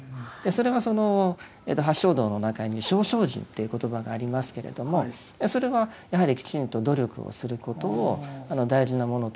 それはその八正道の中に「正精進」という言葉がありますけれどもそれはやはりきちんと努力をすることを大事なものとして認めています。